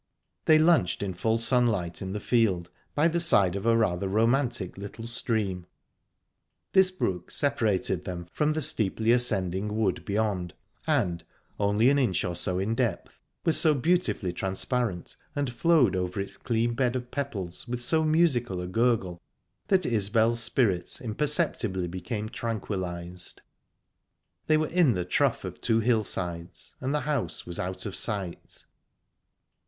They lunched in full sunlight in the field, by the side of a rather romantic little stream. This brook separated them from the steeply ascending wood beyond, and only an inch or so in depth was so beautifully transparent, and flowed over its clean bed of pebbles with so musical a gurgle, that Isbel's spirits imperceptibly became tranquillised. They were in the trough of the two hillsides, and the house was out of sight.